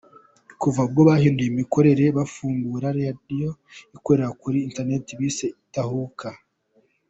Kuva ubwo bahinduye imikorere bafungura radio ikorera kuri Internet bise Itahuka.